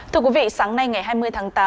thưa quý vị sáng nay ngày hai mươi tháng tám